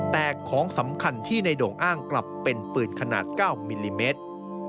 แต่ของสำคัญที่ในโด่งอ้างกลับเป็นปืนขนาด๙มิลลิเมตร